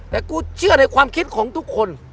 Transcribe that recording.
แต่กูเชื่อในความคิดของทุกคน